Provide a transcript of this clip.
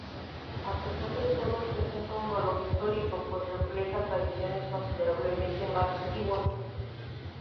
A pesar de todo, presenta un valor histórico, pues refleja tradiciones considerablemente más antiguas.